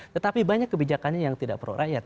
tetapi banyak kebijakannya yang tidak pro rakyat